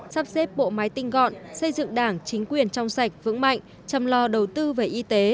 sắp xếp bộ máy tinh gọn xây dựng đảng chính quyền trong sạch vững mạnh chăm lo đầu tư về y tế